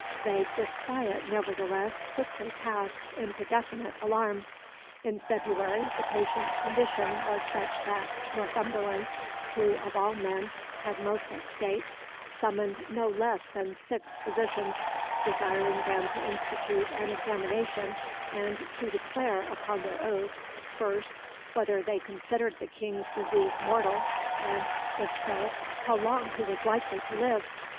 Vague disquiet nevertheless quickly passed into definite alarm. In February the patient's condition was such that Northumberland, who of all men had most at stake, summoned no less than six physicians, desiring them to institute an examination and to declare upon their oath, first, whether they considered the King's disease mortal, and, if so, how long he was likely to live.